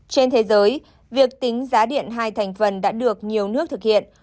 trên thế giới việc tính giá điện hai thành phần đã được nhiều nước thực hiện